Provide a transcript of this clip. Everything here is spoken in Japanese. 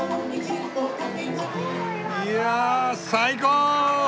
いやぁ最高！